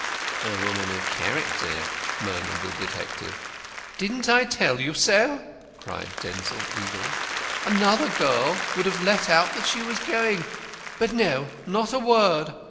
"A woman of character," murmured the detective. "Didn't I tell you so?" cried Denzil, eagerly. "Another girl would have let out that she was going. But no, not a word.